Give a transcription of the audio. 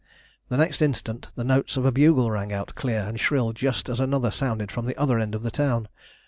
The next instant the notes of a bugle rang out clear and shrill just as another sounded from the other end of the town.